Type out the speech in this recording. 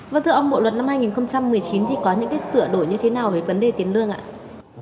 vâng thưa ông bộ luật năm hai nghìn một mươi chín thì có những sửa đổi như thế nào về vấn đề tiền lương ạ